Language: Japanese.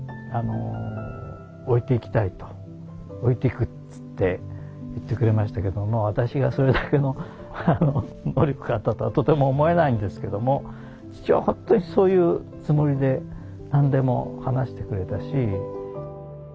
父はよく言ってたんですけど私がそれだけの能力があったとはとても思えないんですけども父は本当にそういうつもりで何でも話してくれたし。